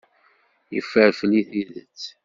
Yeffer fell-i tidet.